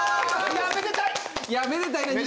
いやめでたい！